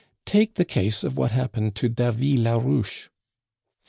Take the case of what happened to Davy Larouche."